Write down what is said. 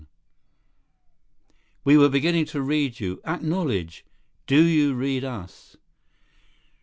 We were beginning to read you. Acknowledge. Do you read us?"